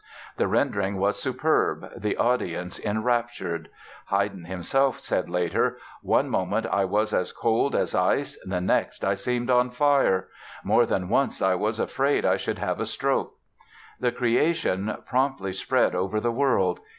The rendering was superb, the audience enraptured. Haydn himself said later: "One moment I was as cold as ice, the next I seemed on fire. More than once I was afraid I should have a stroke." "The Creation" promptly spread over the world.